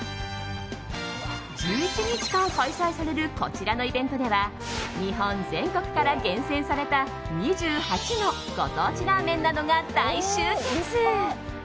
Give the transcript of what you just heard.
１１日間、開催されるこちらのイベントでは日本全国から厳選された２８のご当地ラーメンなどが大集結。